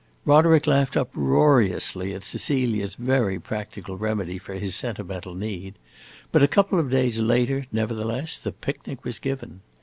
Roderick laughed uproariously at Cecilia's very practical remedy for his sentimental need, but a couple of days later, nevertheless, the picnic was given.